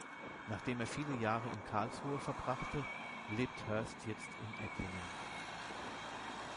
Nachdem er viele Jahre in Karlsruhe verbrachte, lebt Hurst jetzt in Ettlingen.